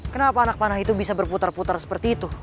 kenapa anak panah itu bisa berputar putar seperti itu